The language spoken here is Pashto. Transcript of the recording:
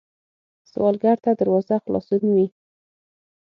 سوالګر ته دروازه خلاصون وي